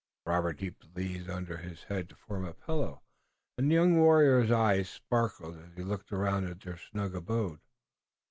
Robert heaped the leaves under his head to form a pillow, and the young warrior's eyes sparkled as he looked around at their snug abode.